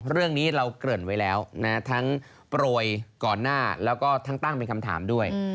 เรื่องนี้เราเกริ่นไว้แล้วนะทั้งโปรยก่อนหน้าแล้วก็ทั้งตั้งเป็นคำถามด้วย